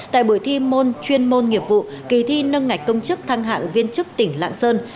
tại buổi thi môn chuyên môn nghiệp vụ kỳ thi nâng ngạch công chức thăng hạng viên chức tỉnh lạng sơn